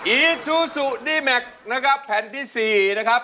เอีสซู่ซุดี้แม็คนะครับแผนที่สี่นะครับ